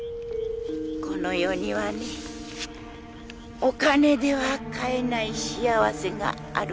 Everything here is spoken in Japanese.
この世にはねお金では買えない幸せがあるのですよ。